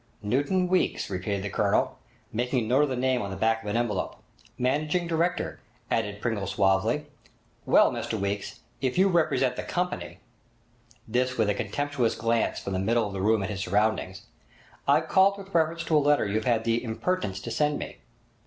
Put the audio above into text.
'Newton Weeks,' repeated the Colonel, making a note of the name on the back of an envelope. 'Managing director,' added Pringle suavely. 'Well, Mr Weeks, if you represent the company—' this with a contemptuous glance from the middle of the room at his surroundings—'I've called with reference to a letter you've had the impertinence to send me.'